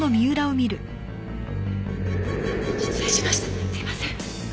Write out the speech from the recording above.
失礼しましたすいません。